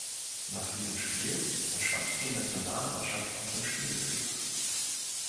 Nach diesem Spiel verschwand die Nationalmannschaft aus dem Spielbetrieb.